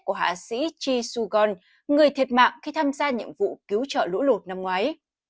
của hạ sĩ chi su gon người thiệt mạng khi tham gia nhiệm vụ cứu trợ lũ lột năm ngoái